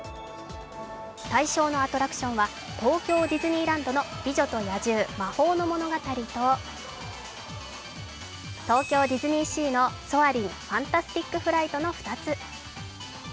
対象のアトラクションは東京ディズニーランドの美女と野獣魔法の物語と東京ディズニーシーのソアリン：ファンタスティックフライトの２つ。